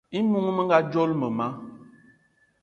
I món menga dzolo mema